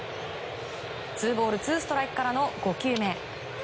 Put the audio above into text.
ツーボールツーストライクからの５球目。